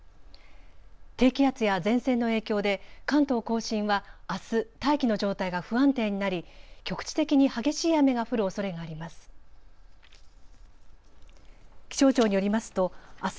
低気圧や前線の影響で関東甲信はあす、大気の状態が不安定になり局地的に激しい雨が降るおそれがあります。